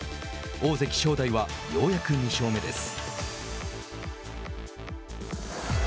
大関・正代はようやく２勝目です。